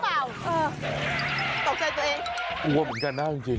ตาเศร้าไหมตาเศร้าร้องไห้ไหมตาแข็งอ่ะคุณตาแข็งอ่ะโดนตัวไหนมาเนี่ยคุณ